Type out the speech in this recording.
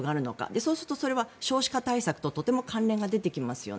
そうすると少子化対策と関連が出てきますよね。